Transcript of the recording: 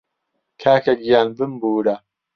کاکەگیان بمبوورە